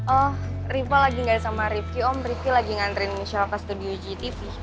oh riva lagi gak sama rifki om rifki lagi ngantrin michelle ke studio gtv